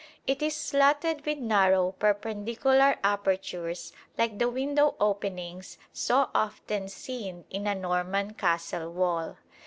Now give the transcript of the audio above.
It is slotted with narrow perpendicular apertures like the window openings so often seen in a Norman castle wall.